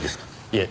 いえ。